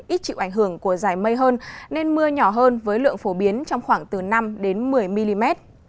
ít chịu ảnh hưởng của giải mây hơn nên mưa nhỏ hơn với lượng phổ biến trong khoảng từ năm một mươi mm